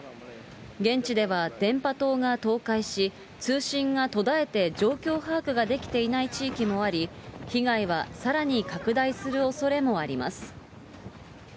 現地では電波塔が倒壊し、通信が途絶えて状況把握ができていない地域もあり、被害はさらに拡大するおそれもあります。